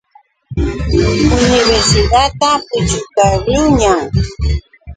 Universidadta puchukaqluuñam.